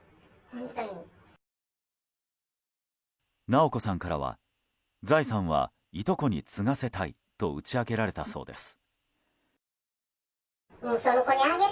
直子さんからは、財産はいとこに継がせたいと打ち明けられたそうです。